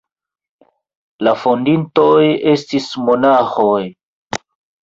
La fondintoj estis monaĥoj.